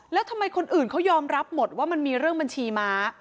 แล้วทำไมคนอื่นเขายอมรับหมดว่ามันมีเรื่องบัญชีม้า